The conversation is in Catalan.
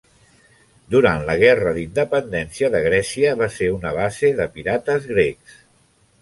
Durant la Guerra d'independència de Grècia va ser una base de pirates grecs.